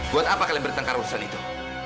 buat apa kalian bertengkar urusan itu